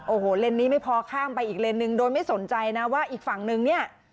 โอ้โหเลนส์นี้ไม่พอข้ามไปอีกเลนหนึ่งโดยไม่สนใจนะว่าอีกฝั่งนึงเนี่ย